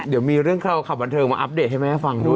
เดี๋ยวมีเรื่องคราวขับบันเทิงมาอัปเดตให้แม่ฟังด้วย